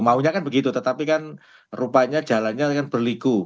maunya kan begitu tetapi kan rupanya jalannya kan berliku